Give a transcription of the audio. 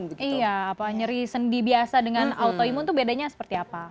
iya apa nyeri sendi biasa dengan autoimun itu bedanya seperti apa